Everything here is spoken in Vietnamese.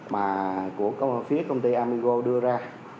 mà của phía công ty amigo đưa ra